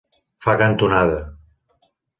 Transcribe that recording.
Fa cantonada.